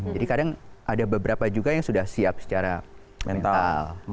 jadi kadang ada beberapa juga yang sudah siap secara mental